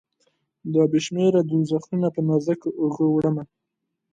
دا بې شمیره دوږخونه په نازکو اوږو، وړمه